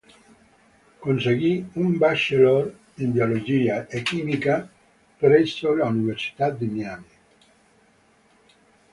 Conseguì un bachelor in biologia e chimica presso l'Università di Miami.